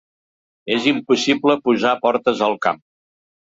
És impossible posar portes al camp.